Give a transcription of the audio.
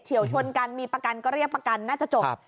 วชนกันมีประกันก็เรียกประกันน่าจะจบ